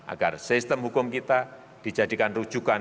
agar sistem hukum kita dijadikan rujukan